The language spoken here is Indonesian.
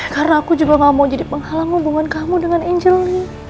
karena aku juga gak mau jadi penghalang hubungan kamu dengan angel ini